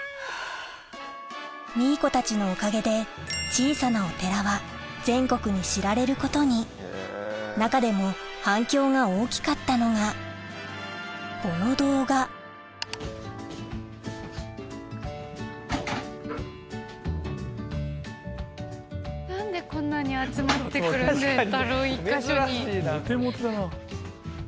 ミー子たちのおかげで小さなお寺は全国に知られることに中でも反響が大きかったのがこの動画何でこんなに集まって来るんだろう１か所に。